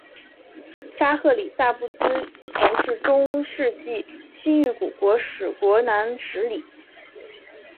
沙赫里萨布兹曾是中世纪西域古国史国南十里。